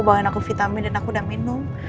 bawain aku vitamin dan aku udah minum